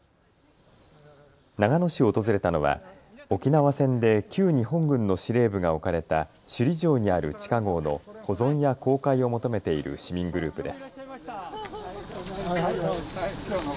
長野市を訪れたのは沖縄戦で旧日本軍の司令部が置かれた首里城にある地下ごうの保存や公開を求めている市民グループです。